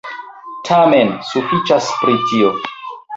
Tamen, sufiĉas pri tio.